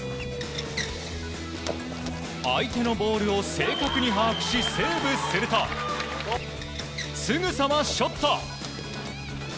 相手のボールを正確に把握しセーブするとすぐさまショット！